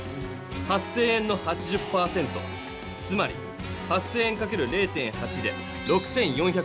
８０００円の８０％つまり８０００円かける０．８で６４００円。